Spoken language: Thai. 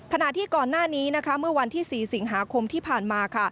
ขณะที่ก่อนหน้านี้เมื่อวันที่๔สิงหาคมที่ผ่านมา